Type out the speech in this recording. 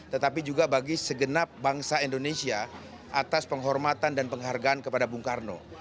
tetapi juga bagi segenap bangsa indonesia atas penghormatan dan penghargaan kepada bung karno